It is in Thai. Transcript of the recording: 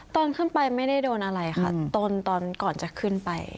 ตอนขึ้นไปไม่ได้โดนอะไรค่ะตอนก่อนจะขึ้นไป